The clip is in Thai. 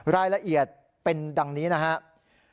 รายละเอียดเป็นดังนี้นะครับ